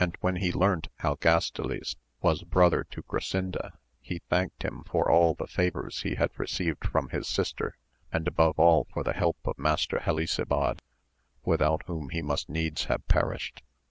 when he learnt how Gastiles was brother to Grasinda, he thanked him for all the favours he had received from his sister, and above all for the help of Master Helisabad, without whom he must needs have perished.